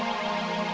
terima kasih pak